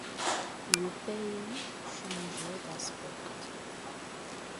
Le pays changeait d’aspect.